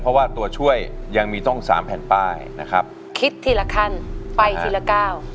เพราะว่าตัวช่วยยังมีต้องสามแผ่นป้ายนะครับคิดทีละขั้นไปทีละก้าว